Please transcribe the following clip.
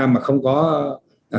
mà không có cái thời điểm mùa vụ cuối năm